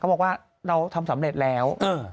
บอกว่าเราทำสำเร็จแล้ว